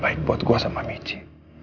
baik buat gue sama micha